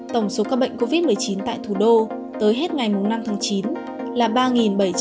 tổng số các bệnh covid một mươi chín tại thủ đô tới hết ngày mùng năm tháng chín